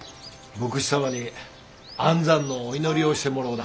牧師様に安産のお祈りをしてもろうだ。